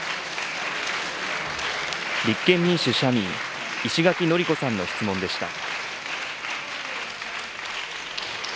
立憲民主・社民、石垣のりこさんの質問でした。